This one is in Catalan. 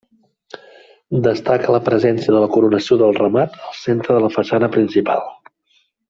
Destaca la presència de la coronació del remat al centre de la façana principal.